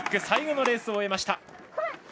最後のレースを終えました。